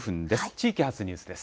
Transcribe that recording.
地域発ニュースです。